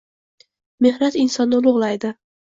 Mehnat insonni ulug‘laydi